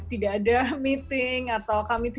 tidak ada meeting atau kami